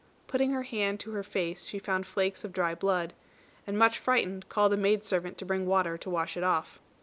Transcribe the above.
Putting her hand to her face, she found flakes of dry blood; and much frightened called a maid servant to bring water to wash it off.